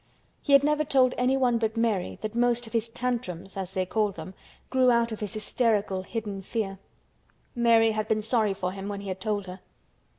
He had never told anyone but Mary that most of his "tantrums" as they called them grew out of his hysterical hidden fear. Mary had been sorry for him when he had told her.